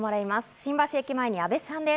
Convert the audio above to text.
新橋駅前に阿部さんです。